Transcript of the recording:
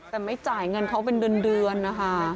แต่ไม่จ่ายเงินเขาเป็นเดือนนะคะ